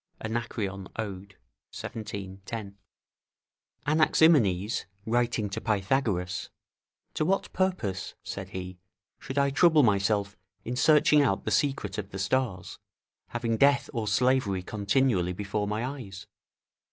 Anacreon, Ode, xvii. 10.] Anaximenes writing to Pythagoras, "To what purpose," said he, "should I trouble myself in searching out the secrets of the stars, having death or slavery continually before my eyes?"